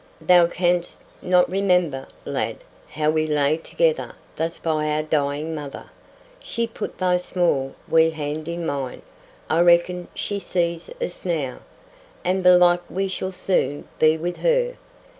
"Thou canst not remember, lad, how we lay together thus by our dying mother. She put thy small, wee hand in mine—I reckon she sees us now; and belike we shall soon be with her.